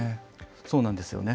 そうなんですよね。